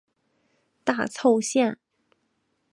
大凑线。